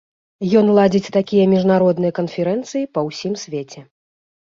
Ён ладзіць такія міжнародныя канферэнцыі па ўсім свеце.